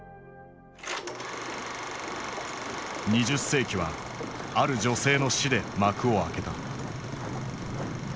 ２０世紀はある女性の死で幕を開けた。